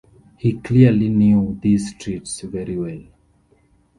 He clearly knew these streets very well.